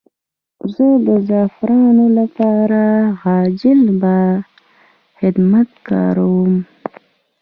زه د زعفرانو لپاره عاجل بار خدمت کاروم.